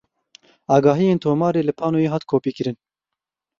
Agahiyên tomarê li panoyê hat kopîkirin.